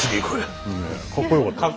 かっこよかったですね。